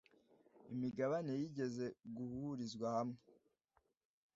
imigabane yigeze guhurizwa hamwe